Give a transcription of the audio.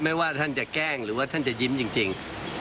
ว่าท่านจะแกล้งหรือว่าท่านจะยิ้มจริง